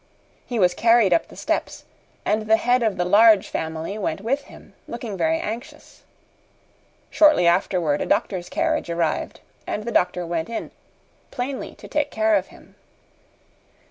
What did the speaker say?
He was carried up the steps, and the head of the Large Family went with him, looking very anxious. Shortly afterward a doctor's carriage arrived, and the doctor went in plainly to take care of him.